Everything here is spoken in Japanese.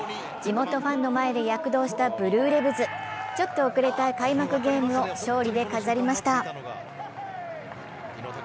地元ファンの前で躍動したブルーレヴズ、ちょっと遅れた開幕ゲームを勝利で飾りました。